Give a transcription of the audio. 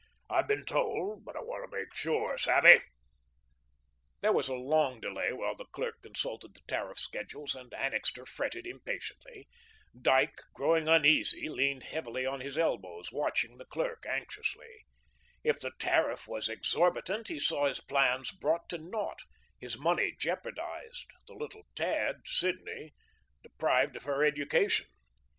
I've been told, but I want to make sure. Savvy?" There was a long delay while the clerk consulted the tariff schedules, and Annixter fretted impatiently. Dyke, growing uneasy, leaned heavily on his elbows, watching the clerk anxiously. If the tariff was exorbitant, he saw his plans brought to naught, his money jeopardised, the little tad, Sidney, deprived of her education.